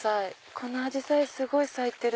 このアジサイすごい咲いてる。